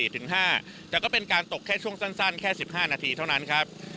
แต่ก็เป็นการตกแค่ช่วงสั้นแค่๑๕นาทีเท่านั้นครับ